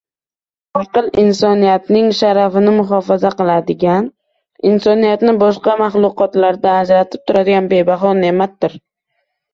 Aql insoniyatning sharafini muhofaza qiladigan, insoniyatni boshqa mahluqotlardan ajratib turadigan bebaho ne’matdir.